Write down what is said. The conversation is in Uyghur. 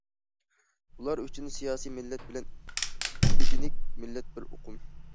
ئۇلار ئۈچۈن« سىياسىي مىللەت» بىلەن« ئېتنىك مىللەت» بىر ئۇقۇم.